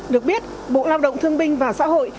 được biết bộ lao động thương binh và xã hội